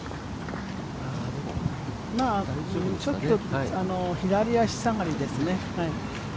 ちょっと左足下がりですね。